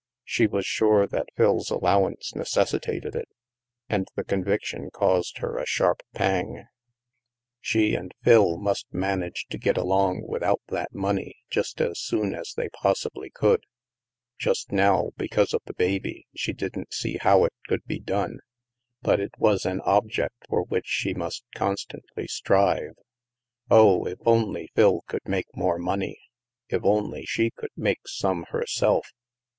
She was sure that Phil's allowance necessitated it, and the conviction caused her a sharp pang. She THE MAELSTROM 233 and Phil must manage to get along without that money just as soon as they possibly could. Just now, because of the baby, she didn't see how it could be done; but it was an object for which she must constantly strive. Oh, if only Phil could make more money! If only she could make some her self!